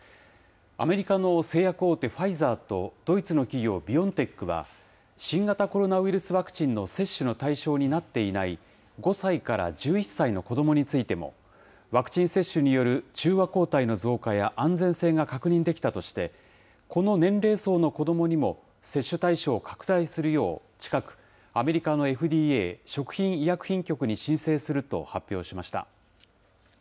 アメリカの製薬大手、ファイザーとドイツの企業、ビオンテックは、新型コロナウイルスワクチンの接種の対象になっていない、５歳から１１歳の子どもについても、ワクチン接種による中和抗体の増加や安全性が確認できたとして、この年齢層の子どもにも接種対象を拡大するよう近く、アメリカのＦＤＡ・食品医薬品局に申請すると発表しました。